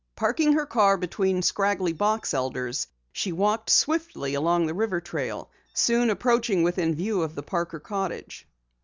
Parking her car between scraggly box elders, she walked swiftly along the river trail, soon approaching within view of the Parker cottage.